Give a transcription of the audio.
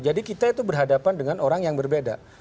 jadi kita itu berhadapan dengan orang yang berbeda